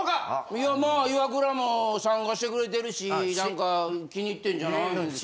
いやまぁイワクラも参加してくれてるしなんか気に入ってんじゃないんですか？